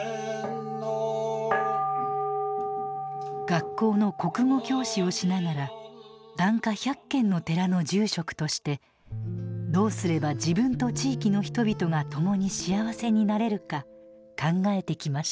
学校の国語教師をしながら檀家１００軒の寺の住職としてどうすれば自分と地域の人々が共に幸せになれるか考えてきました。